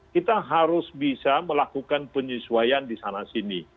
kita harus bisa melakukan penyesuaian di sana sini